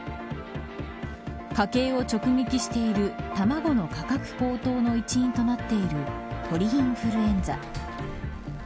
家計を直撃している卵の価格高騰の一因となっている鳥インフルエンザ。